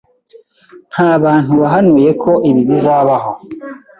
Ntabantu wahanuye ko ibi bizabaho.